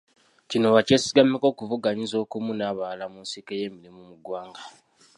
Kino bakyesigameko okuvuganyiza okumu n’abalala mu nsiike y’emirimu mu ggwanga.